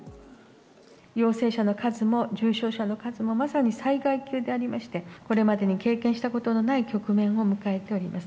陽性者の数も重症者の数もまさに災害級でありまして、これまでに経験したことのない局面を迎えております。